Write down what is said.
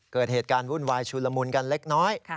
เกิดเหตุการณ์วุ่นวายชุลมุนกันเล็กน้อย